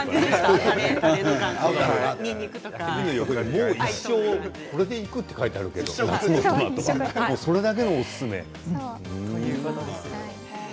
もう一生これでいくって書いてあるけどそれだけのおすすめなんですね。